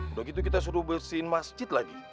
udah gitu kita suruh bersihin masjid lagi